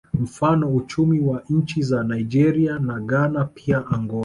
Mfano uchumi wa nchi za Nigeria na Ghana pia Angola